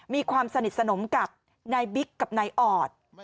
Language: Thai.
มีความสนิทสนมกับนายบิ๊กกับนายออด